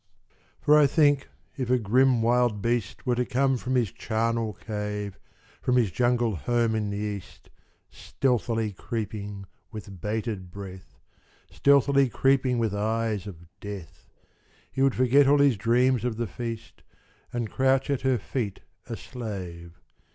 For I think, if a grim wild beast Were to come from his charnel cave, From his jungle home in the East Stealthily creeping with bated breath, Stealthily creeping with eyes of death He would all forget his dream of the feast, And crouch at her feet a slave.